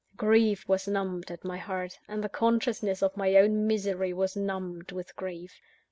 _ Grief was numbed at my heart; and the consciousness of my own misery was numbed with grief.